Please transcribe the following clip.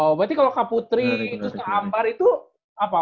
oh berarti kalau kak putri terus kak ambar itu apa